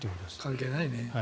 関係ないね。